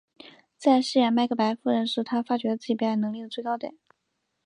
在饰演麦克白夫人时她发觉了自己表演能力的最高点。